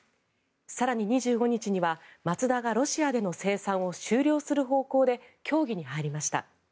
更に、２５日にはマツダがロシアでの生産を終了する方向で協議に入りました。